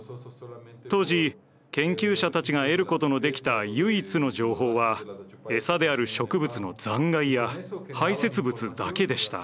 当時研究者たちが得ることのできた唯一の情報は餌である植物の残骸や排せつ物だけでした。